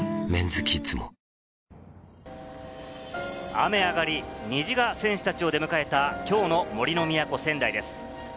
雨上がり、虹が選手たちを出迎えたきょうの杜の都・仙台です。